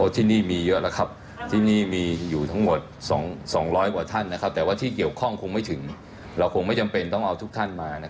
ตอนนี้มีทีมแยกจำนวนเท่าไหร่ที่สแกนบายอยู่หรือหลังจากที่ไหนบ้าง